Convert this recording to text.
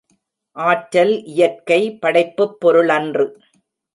ஆற்றல் இயற்கை படைப்புப் பொருளன்று.